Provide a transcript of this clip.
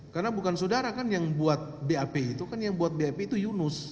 karena bukan saudara kan yang buat bap itu kan yang buat bap itu yunus